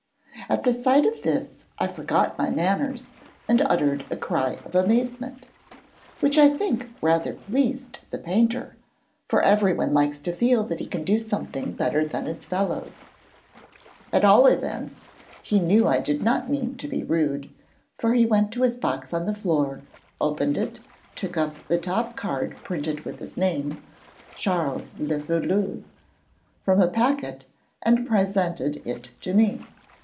At the sight of this, I forgot my manners and uttered a cry of amazement, which I think rather pleased the painter, for everyone likes to feel that he can do something better than his fellows. At all events he knew I did not mean to be rude, for he went to his box on the floor, opened it, took up the top card printed with his name, Charles le Félu, from a packet, and presented it to me.